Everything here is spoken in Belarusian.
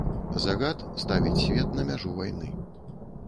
Загад ставіць свет на мяжу вайны.